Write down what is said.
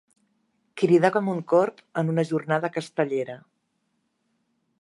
Cridar com un corb en una jornada castellera.